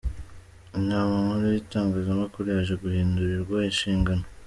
Inama Nkuru y’Itangazamakuru yaje guhindurirwa inshingano.